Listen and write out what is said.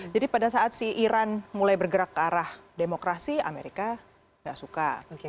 jadi pada saat si iran mulai bergerak ke arah demokrasi amerika nggak suka